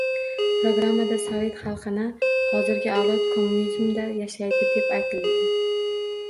Programmada: sovet xalqini hozirgi avlodi kommunizmda yashaydi, deb aytildi.